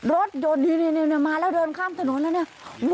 รถยนต์นี่มาแล้วเดินข้ามถนนแล้วเนี่ย